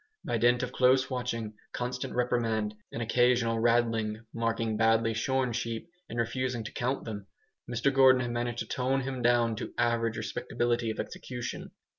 By dint of close watching, constant reprimand, and occasional "raddling" (marking badly shorn sheep and refusing to count them) Mr Gordon had managed to tone him down to average respectability of execution.